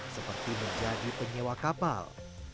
seperti menjadi penyewa kapal